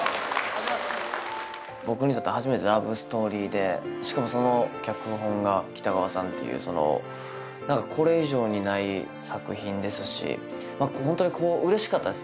僕にとって初めてのラブストーリーでしかもその脚本が北川さんというその何かこれ以上にない作品ですしホントにこう嬉しかったです